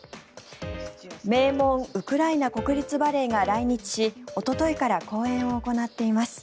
名門、ウクライナ国立バレエが来日しおとといから公演を行っています。